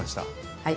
はい。